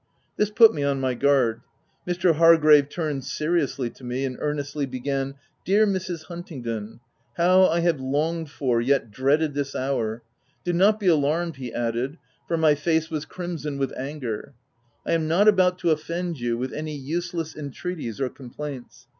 This put me on my guard. Mr. Hargrave turned seriously to me, and earnestly began —" Dear Mrs. Huntingdon, how I have longed for, yet dreaded this hour! Do not be alarmed," he added, for my face w T as crimson with anger ;* I am not about to offend you with any useless entreaties or complaints.